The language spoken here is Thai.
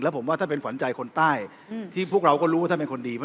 ผมว่าท่านเป็นขวัญใจคนใต้ที่พวกเราก็รู้ว่าท่านเป็นคนดี